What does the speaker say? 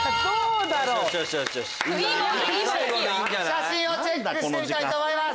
写真をチェックしたいと思います。